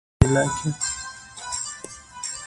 اور بل دی که مړ